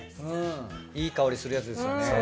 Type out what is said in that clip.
いい香りするやつですよね。